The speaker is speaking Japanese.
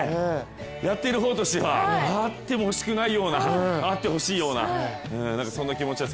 やっている方としてはあってほしくないような、あってほしいようなそんな気持ちです。